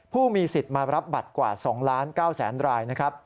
ผู้มีสิทธิ์มารับบัตรกว่า๒๙๐๐รายนะครับ